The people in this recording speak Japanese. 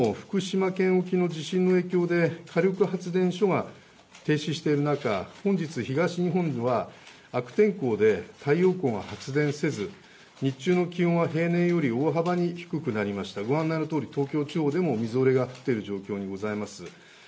１６日の福島県沖の地震の影響で火力発電所が停止している中、本日、東日本は悪天候で太陽光が発電せず日中の気温は平年より大幅に低くなりまして、ご案内のとおり東京地方でもみぞれが降っている状況でございます。